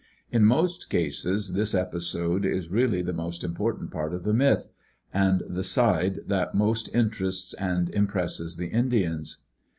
In most cases this episode is really the most important part of the myth and the side that most interests and impresses the Indians.